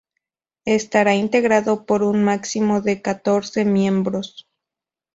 Estará integrado por un máximo de catorce miembros.